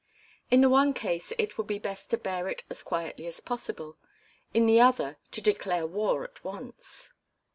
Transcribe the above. In the one case it would be best to bear it as quietly as possible, in the other to declare war at once.